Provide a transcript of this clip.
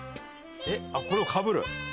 あっこれをかぶる。